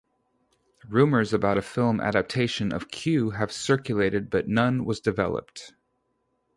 Rumours about a film adaptation of "Q" have circulated but none was developed.